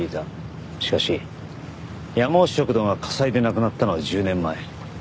しかしやまお食堂が火災でなくなったのは１０年前。